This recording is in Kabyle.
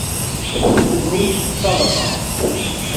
Menhu tettamneḍ?